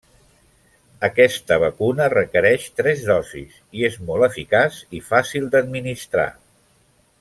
Aquesta vacuna requereix tres dosis i és molt eficaç i fàcil d'administrar.